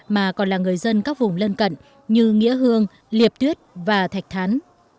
mà còn là người dân các vùng lân cận như nghĩa hương liệp tuyết và thạch thán